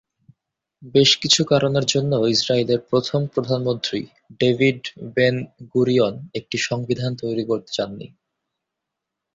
বেশ কিছু কারণের জন্য, ইসরাইলের প্রথম প্রধানমন্ত্রী ডেভিড বেন-গুরিয়ন একটি সংবিধান তৈরি করতে চাননি।